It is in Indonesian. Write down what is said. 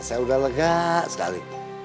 saya udah lega sekali